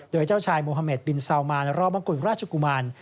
โดยเจ้าชายโมฮาเมดบินซาวมานรอบมังกุลราชกุมาร